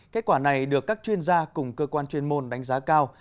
kết quả này được các chuyên gia cùng cơ quan chuyên môn đánh giá cao